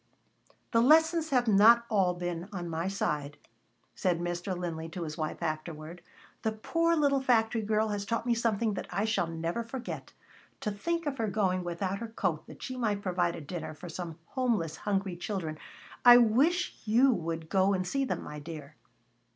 "The lessons have not all been on my side," said Mr. Linley to his wife afterward. "The poor little factory girl has taught me something that I shall never forget. To think of her going without her coat that she might provide a dinner for some homeless, hungry children. I wish you would go and see them, my dear."